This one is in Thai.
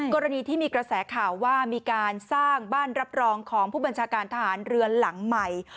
กรณีที่มีกระแสข่าวว่ามีการสร้างบ้านรับรองของผู้บัญชาการทหารเรือนหลังใหม่